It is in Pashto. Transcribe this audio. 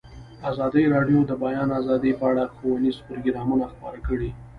ازادي راډیو د د بیان آزادي په اړه ښوونیز پروګرامونه خپاره کړي.